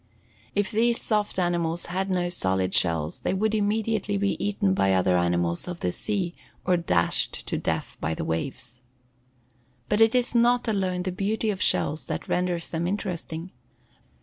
If these soft animals had no solid shells they would immediately be eaten by other animals of the sea or dashed to death by the waves. But it is not alone the beauty of shells that renders them interesting.